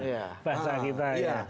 keberbatian bahasa kita